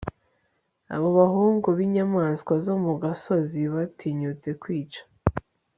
abo bahungu b'inyamaswa zo mu gasozi batinyutse kwica